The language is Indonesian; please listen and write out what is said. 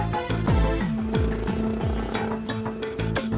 kadang kadang dia banyak otak bisa berantem